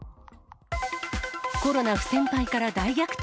コロナ不戦敗から大逆転。